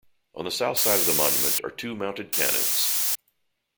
On the south side of the monument are two mounted cannons.